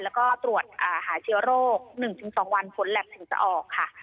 แล้วก็ตรวจหาเชื้อโรค๑๒วันผลแล็บถึงจะออกค่ะ